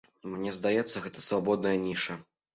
Мне здаецца, гэта свабодная ніша.